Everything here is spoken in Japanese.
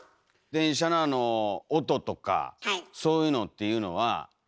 電車のあの音とかそういうのっていうのは。